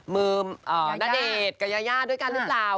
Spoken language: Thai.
มือณเดชน์กับยายาด้วยกันหรือเปล่า